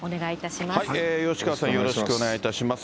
吉川さん、よろしくお願いいたします。